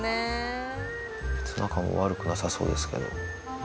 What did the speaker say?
仲悪くなさそうですけど。